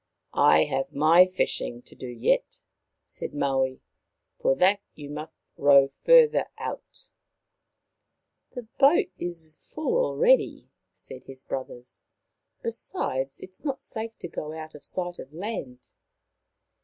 " I have my fishing to do yet," said Maui. " For that you must row further out." " The boat is full already," said his brothers. 11 Besides, it is not safe to go out of sight of land."